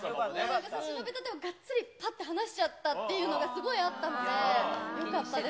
差し伸べた手をがっつり放しちゃったっていうのがすごいあったので、よかったです。